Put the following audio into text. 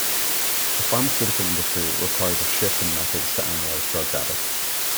The pharmaceutical industry requires a shift in methods to analyze drug data.